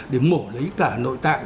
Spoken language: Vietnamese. để mổ lấy cả nội tạng